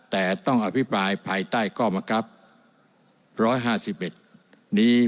แต่ต้องอภิปรายภายใต้ข้อมังคับ๑๕๑นี้